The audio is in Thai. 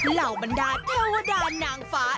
เหล่าบรรดาเทวดานางฟ้า